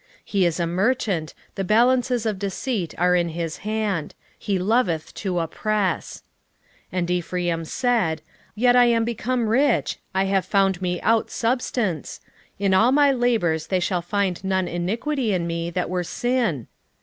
12:7 He is a merchant, the balances of deceit are in his hand: he loveth to oppress. 12:8 And Ephraim said, Yet I am become rich, I have found me out substance: in all my labours they shall find none iniquity in me that were sin.